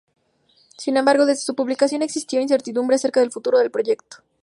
Sin embargo, desde su publicación existió incertidumbre acerca del futuro del proyecto.